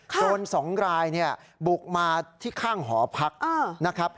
โจรสองรายเนี่ยบุกมาที่ข้างหอพักนะครับ